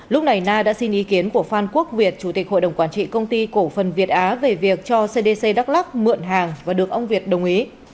lúc này na đã xin ý kiến của phan quốc việt chủ tịch hội đồng quản trị công ty cổ phần việt á về việc cho cdc đắk lắc mượn hàng và được ông việt đồng ý